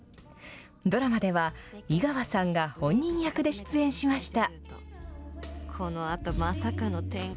ドラマでは、井川さんが本人役で出演しました。